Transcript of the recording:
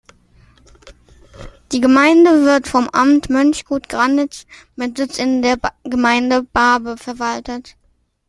Die Gemeinde wird vom Amt Mönchgut-Granitz mit Sitz in der Gemeinde Baabe verwaltet.